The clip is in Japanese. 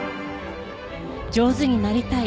上手になりたい。